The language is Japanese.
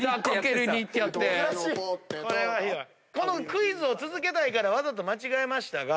クイズを続けたいからわざと間違えましたが。